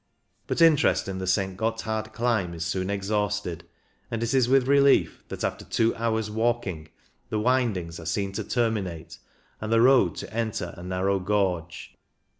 But interest in the St. Gotthard climb is soon exhausted, and it is with relief that, after two hours' walking, the windings are seen to terminate and the road to enter a narrow gorge.